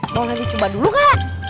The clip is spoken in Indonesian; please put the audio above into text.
boleh dicoba dulu gak